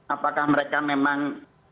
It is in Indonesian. apakah mereka memang